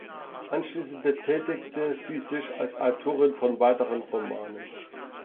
Anschließend betätigte sie sich als Autorin von weiteren Romanen.